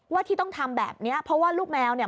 ที่ต้องทำแบบนี้เพราะว่าลูกแมวเนี่ย